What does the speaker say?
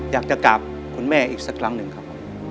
อยากจะกราบคุณแม่อีกสักครั้งหนึ่งครับ